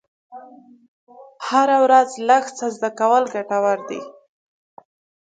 هره ورځ لږ څه زده کول ګټور دي.